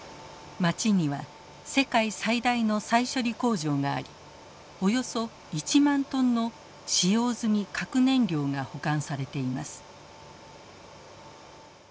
街には世界最大の再処理工場がありおよそ１万トンの使用済み核燃料が保管されています。